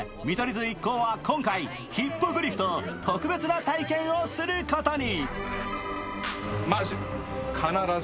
図一行は今回ヒッポグリフと特別な体験をすることに。